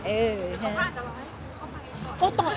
เออค่ะ